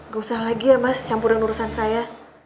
gak usah lagi ya mas campurin urusan saya